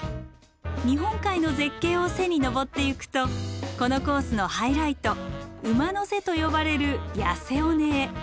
日本海の絶景を背に登ってゆくとこのコースのハイライト「馬の背」と呼ばれる痩せ尾根へ。